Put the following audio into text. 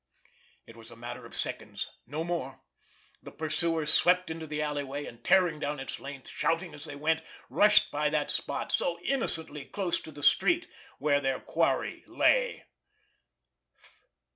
It was a matter of seconds—no more. The pursuers swept into the alleyway, and tearing down its length, shouting as they went, rushed by that spot, so innocently close to the street, where their quarry lay.